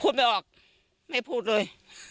ไม่ออกไม่พูดเลย